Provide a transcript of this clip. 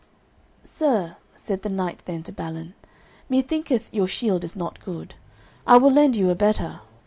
"Sir," said the knight then to Balin, "me thinketh your shield is not good; I will lend you a better."